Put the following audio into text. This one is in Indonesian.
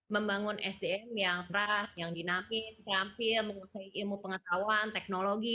membangun sdm yang perah yang dinamik terampil mengusai ilmu pengetahuan teknologi